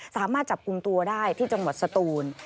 สามารถจับกลุ่มตัวได้ที่จังหวัดสตูน